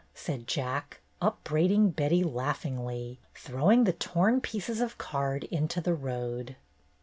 said Jack, upbraiding Betty laughingly, throwing the torn pieces of card into the road.